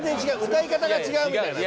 歌い方が違うみたいなね。